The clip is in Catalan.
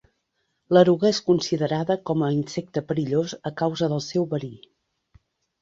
L'eruga és considerada com a insecte perillós a causa del seu verí.